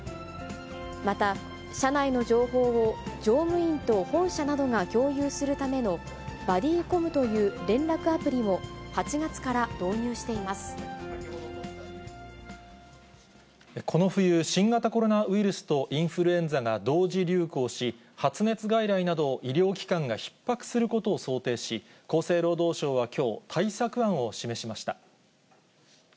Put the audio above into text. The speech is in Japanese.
また車内の情報を、乗務員と本社などが共有するためのバディコムという連絡アプリを、この冬、新型コロナウイルスとインフルエンザが同時流行し、発熱外来など、医療機関がひっ迫することを想定し、厚生労働省はきょう対策案を示しました。